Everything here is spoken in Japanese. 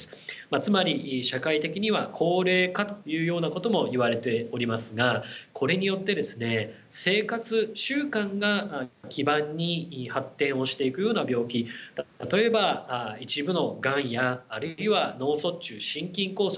つまり社会的には高齢化というようなことも言われておりますがこれによってですね生活習慣が基盤に発展をしていくような病気例えば一部のがんやあるいは脳卒中心筋梗塞